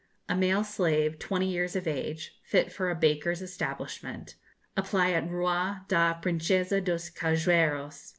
A male slave 20 years of age, fit for a baker's establishment; apply at rua da Princeza dos Cajueiros No.